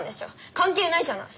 関係ないじゃない。